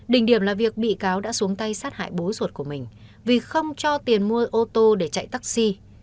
đỉnh điểm là việc bị cáo đã xuống tay sát hại bố ruột của mình vì không cho tiền mua ô tô để chạy taxi